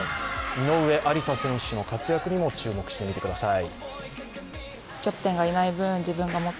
井上愛里沙選手の活躍にも注目して見てください。